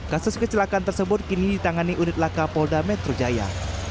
kasus kecelakaan tersebut kini ditangani unit laka polda metro jaya